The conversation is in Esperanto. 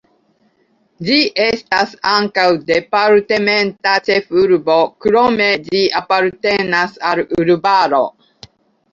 Ĝi estas ankaŭ departementa ĉefurbo, krome ĝi apartenas al urbaro.